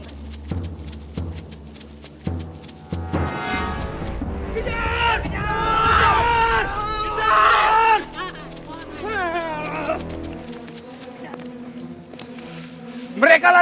kita akan menemukan mereka